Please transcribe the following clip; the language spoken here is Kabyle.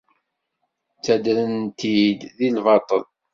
Ttadren-t-id di lbaṭel.